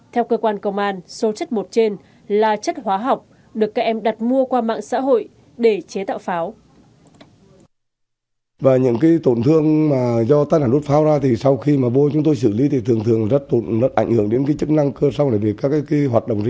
theo cơ quan công an số chất bột trên là chất hóa học được các em đặt mua qua mạng xã hội để chế tạo pháo